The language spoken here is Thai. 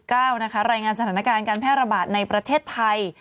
รายงานสถานการณ์การแพร่ระบาดในประเทศไทย